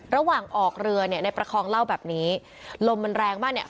ระหว่างออกเรือเนี่ยในประคองเล่าแบบนี้ลมมันแรงมากเนี่ย